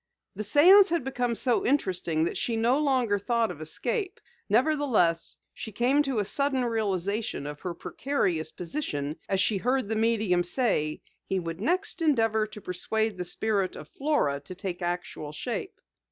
The séance had become so interesting that she no longer thought of escape. Nevertheless, she came to a sudden realization of her precarious position as she heard the medium say that he would next endeavor to persuade the Spirit of Flora to take actual shape.